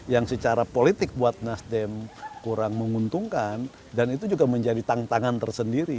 yang secara politik buat nasdem kurang menguntungkan dan itu juga menjadi tantangan tersendiri